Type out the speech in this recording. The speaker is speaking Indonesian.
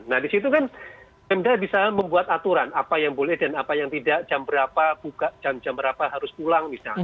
nah disitu kan pemda bisa membuat aturan apa yang boleh dan apa yang tidak jam berapa buka jam berapa harus pulang misalnya